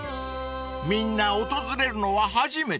［みんな訪れるのは初めて］